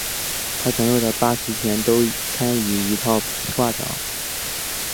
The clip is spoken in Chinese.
他传授的八极拳都参以一套劈挂掌。